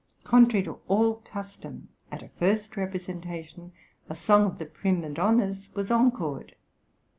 Contrary to all custom at a first representation a song of the prima donna's was encored.